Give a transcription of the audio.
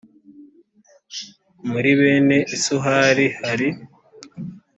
muri bene isuhari hari: